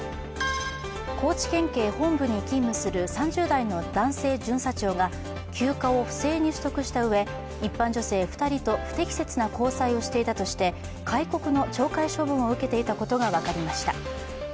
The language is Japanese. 高知県警本部に勤務する３０代の男性巡査長が休暇を不正に取得したうえ、一般女性２人と不適切な交際をしていたとして戒告の懲戒処分を受けていたことが分かりました。